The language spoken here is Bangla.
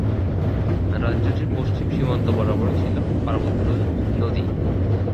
রাজ্যটির পশ্চিম সীমান্ত বরাবর ছিল পার্বতী নদী।